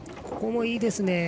ここもいいですね。